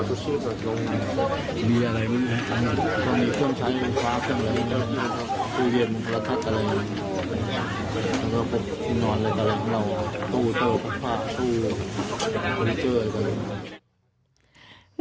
แล้วก็พบติดนอนอะไรอย่างนี้เราตู้โต้พักพักพูลิเจอร์อยู่ตรงนั้น